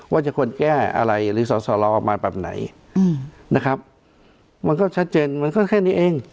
ว่าจะควรแก้อะไรหรือสอสอรอออกมาแบบไหนนะครับมันก็ชัดเจนมันก็แค่นี้เอง